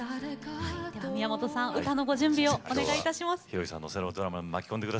宮本さん歌の準備をお願いします。